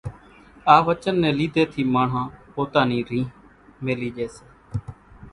آ وچن ني ليڌي ٿي ماڻۿان پوتا نِي ريۿ ميلِي ڄي سي،